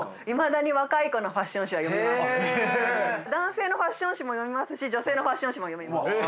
いまだに若い子の男性のファッション誌も読みますし女性のファッション誌も読みます。